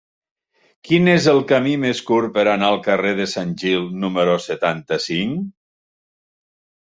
Quin és el camí més curt per anar al carrer de Sant Gil número setanta-cinc?